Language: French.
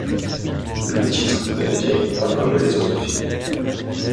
Le titre veut dire Pas comme les autres filles.